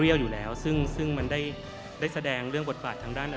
อยู่แล้วซึ่งซึ่งมันได้ได้แสดงเรื่องบทบาททางด้าน